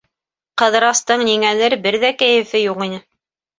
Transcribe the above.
Ҡыҙырастың, ниңәлер, бер ҙә кәйефе юҡ ине.